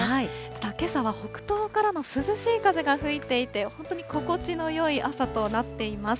けさは北東からの涼しい風が吹いていて、本当に心地のよい朝となっています。